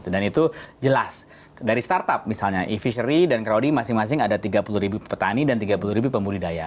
dan itu jelas dari startup misalnya e fishery dan crowdy masing masing ada tiga puluh ribu petani dan tiga puluh ribu pembudidaya